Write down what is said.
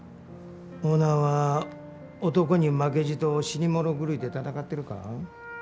オーナーは男に負けじと死に物狂いで闘ってるか？